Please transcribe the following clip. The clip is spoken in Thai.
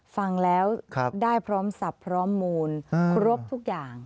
ฟังแล้วได้พร้อมศัพท์พร้อมมูลครบทุกอย่าง